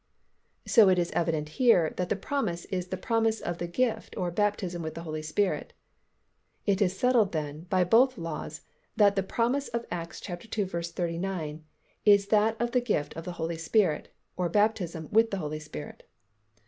So it is evident here that the promise is the promise of the gift or baptism with the Holy Spirit. It is settled then by both laws that the promise of Acts ii. 39 is that of the gift of the Holy Spirit, or baptism with the Holy Spirit.